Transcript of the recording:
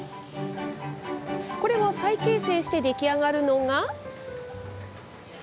これを再形成して出来上がるのが。